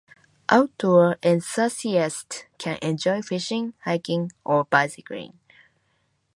Outdoor enthusiasts can enjoy fishing, hiking, or bicycling.